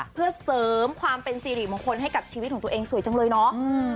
เพื่อเสริมความเป็นสิริมงคลให้กับชีวิตของตัวเองสวยจังเลยเนาะ